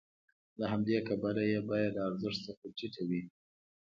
له همدې کبله یې بیه له ارزښت څخه ټیټه وي